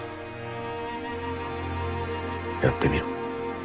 やってみろ。